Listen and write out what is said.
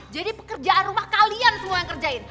jadi pekerjaan rumah kalian semua yang kerjain